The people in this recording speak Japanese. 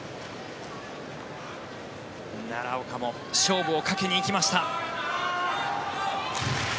奈良岡も勝負をかけに行きました。